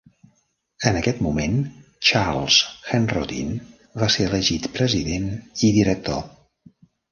En aquest moment, Charles Henrotin va ser elegit president i director.